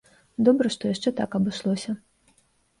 Добра, што яшчэ так абышлося.